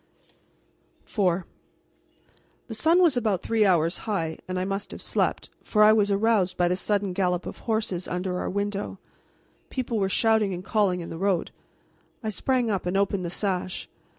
IV The sun was about three hours high. I must have slept, for I was aroused by the sudden gallop of horses under our window. People were shouting and calling in the road. I sprang up and opened the sash.